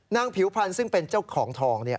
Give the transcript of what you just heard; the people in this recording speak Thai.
นางผิวพรรณซึ่งเป็นเจ้าของทองนี่